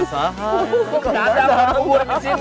tadam mau kubur di sini